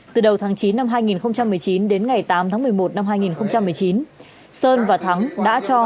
từ đầu tháng chín năm hai nghìn một mươi chín đến ngày tám tháng một mươi một năm hai nghìn một mươi chín sơn và thắng đã cho